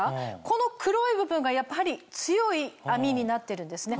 この黒い部分がやっぱり強い編みになってるんですね。